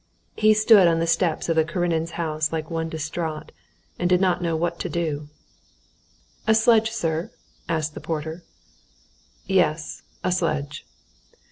He stood on the steps of the Karenins' house like one distraught, and did not know what to do. "A sledge, sir?" asked the porter. "Yes, a sledge."